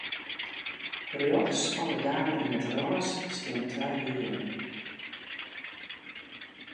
Rjochts fan 'e dame yn it rôs steane twa hearen.